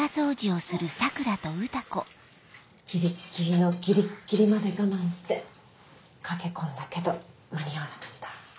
ギリッギリのギリッギリまで我慢して駆け込んだけど間に合わなかった。